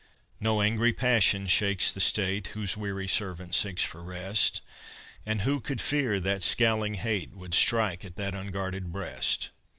No angry passion shakes the state Whose weary servant seeks for rest, And who could fear that scowling hate Would strike at that unguarded breast?